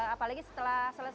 apalagi setelah selesai